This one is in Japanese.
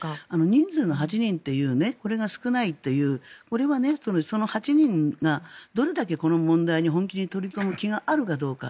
人数が８人というこれが少ないというこれは８人がどれだけこの問題に本気で取り組む気があるかどうか。